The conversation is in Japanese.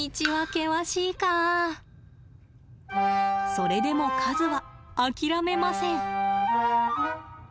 それでも和は諦めません。